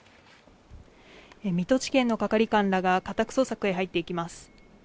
水戸地検の係官らが家宅捜索に入っていきます。